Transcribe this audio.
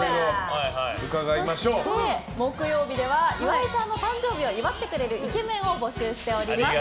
そして、木曜日では岩井さんの誕生日を祝ってくれるイケメンを募集しております。